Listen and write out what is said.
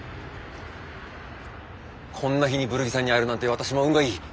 こんな日にブルギさんに会えるなんて私も運がいい。